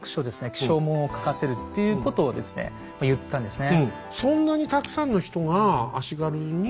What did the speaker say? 起請文を書かせるっていうことを言ったんですね。